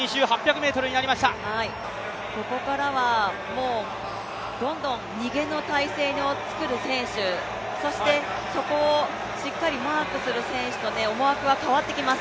ここからはもうどんどん逃げの体勢をつくる選手そして、そこをしっかりマークする選手と思惑が変わってきます。